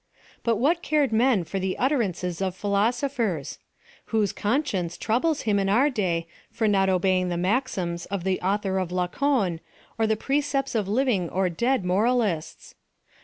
But what cared men for the utterances of philosophers ? Whose conscience troubles him in our day for not obeying the maxims of the author of Lacon, or the precepts of living or dead moralists